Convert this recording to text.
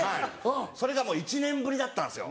それがもう１年ぶりだったんですよ。